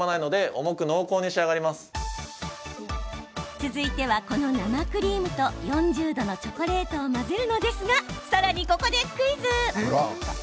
続いては、この生クリームと４０度のチョコレートを混ぜるのですがさらに、ここでクイズ。